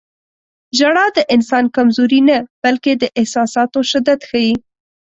• ژړا د انسان کمزوري نه، بلکې د احساساتو شدت ښيي.